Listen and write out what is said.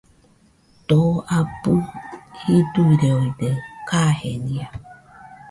Too abɨ jiduireoide kajenia.